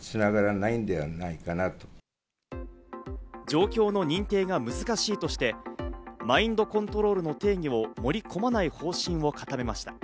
状況の認定が難しいとして、マインドコントロールの定義を盛り込まない方針を固めました。